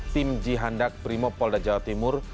tim di jihandak primopolda jawa timur